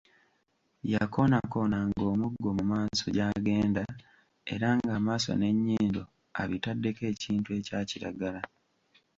Yakoonakoonanga omuggo mu maaso gy'agenda era ng'amaaso n'ennyindo abitaddeko ekintu ekya kiragala.